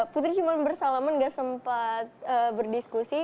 putri cuma bersalaman nggak sempat berdiskusi